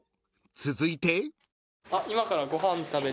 ［続いて］